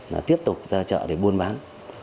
là tiếp tục ra chợ để buôn bán